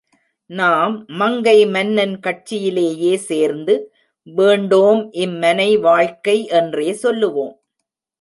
நாம் மங்கை மன்னன் கட்சியிலேயே சேர்ந்து, வேண்டோம் இம்மனை வாழ்க்கை என்றே சொல்லுவோம்.